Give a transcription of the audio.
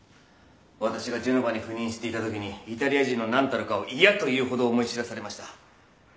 私がジェノバに赴任していたときにイタリア人の何たるかを嫌というほど思い知らされました。